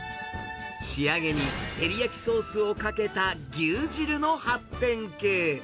仕上げに照り焼きソースをかけた牛汁の発展形。